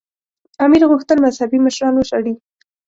امیر غوښتل مذهبي مشران وشړي.